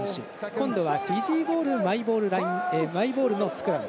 今度はフィジーボールマイボールのスクラム。